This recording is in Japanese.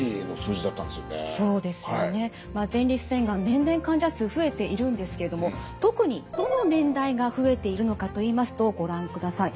年々患者数増えているんですけれども特にどの年代が増えているのかといいますとご覧ください。